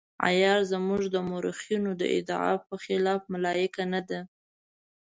عیار زموږ د مورخینو د ادعا په خلاف ملایکه نه ده.